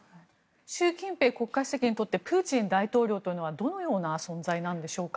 習近平国家主席にとってプーチン大統領というのはどのような存在なんでしょうか。